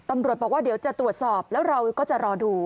ตำรวจบอกว่าเดี๋ยวจะตรวจสอบแล้วเราก็จะรอดู